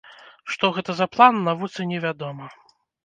Што гэта за план, навуцы не вядома.